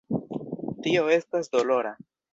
Tio estas dolora.